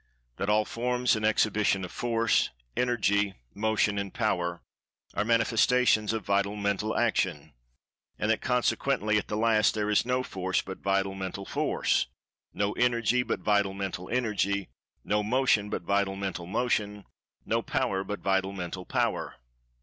—That All forms and exhibition of Force, Energy, Motion and Power are manifestations of Vital Mental Action. And that, consequently, at the last there is no Force but Vital Mental Force; no Energy but Vital Mental Energy; no Motion but Vital Mental Motion; no Power but Vital Mental Power.